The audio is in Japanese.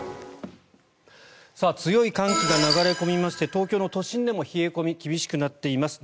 強い寒気が流れ込みまして東京の都心でも冷え込みが厳しくなっています。